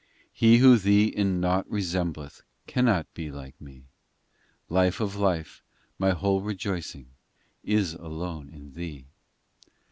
v He who Thee in nought resembleth Cannot be like Me. Life of Life, My whole rejoicing Is alone in Thee.